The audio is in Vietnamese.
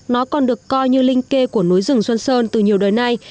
nó còn được coi như linh kê của núi rừng xuân sơn từ nhiều đời nay